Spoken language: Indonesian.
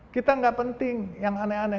kita nggak penting yang aneh aneh